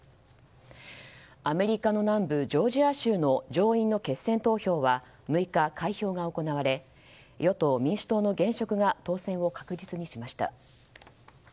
アメリカの南部ジョージア州の上院の決選投票は６日、開票が行われ与党・民主党の現職が当選を確実にしました。